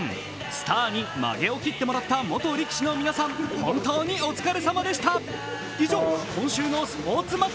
スターに曲げを切ってもらった元力士の皆さん、本当にお疲れさまでした。